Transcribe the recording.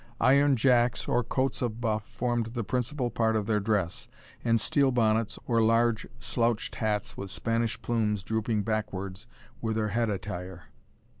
Iron jacks, or coats of buff, formed the principal part of their dress, and steel bonnets, or large slouched hats with Spanish plumes drooping backwards, were their head attire.